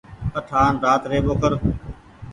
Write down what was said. اٺ آن رآت ري ٻوکر۔